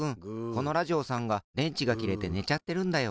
このラジオさんがでんちがきれてねちゃってるんだよ。